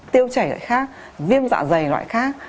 tiêu chảy lại khác viêm dạ dày loại khác